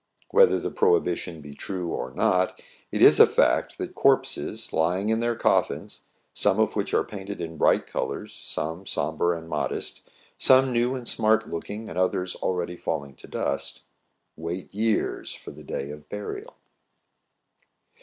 Whether the prohibition be true or not, it is a fact that corpses, lying in their coffins, — some of which are painted in bright colors, some sombre and modest, some new and smart looking, and others already falling to dust, — wait years for the day of burial.